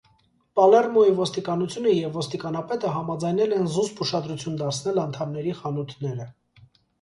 Պալերմոյի ոստիկանությունը և ոստիկանապետը համաձայնել են զուսպ ուշադրություն դարձնել անդամների խանութները։